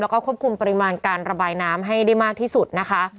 แล้วก็ควบคุมปริมาณการระบายน้ำให้ได้มากที่สุดนะคะ